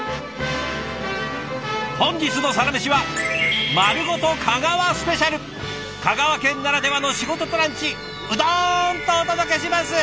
本日の「サラメシ」は香川県ならではの仕事とランチうどんとお届けします！